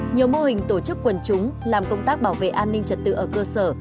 nhiều mô hình tổ chức quần chúng làm công tác bảo vệ an ninh trật tự ở cơ sở